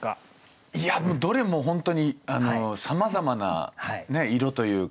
いやどれも本当にさまざまな色というか。